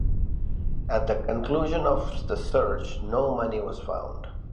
At the conclusion of the search, no money was found.